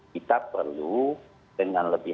kita perlu dengan lebih